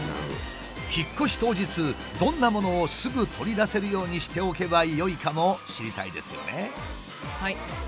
引っ越し当日どんなものをすぐ取り出せるようにしておけばよいかも知りたいですよね。